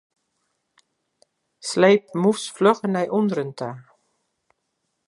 Sleep mûs flugger nei ûnderen ta.